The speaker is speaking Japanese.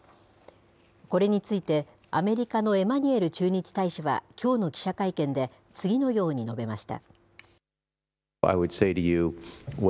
これについてアメリカのエマニュエル駐日大使は、きょうの記者会見で、次のように述べました。